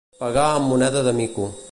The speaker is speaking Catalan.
Pagar amb moneda de mico.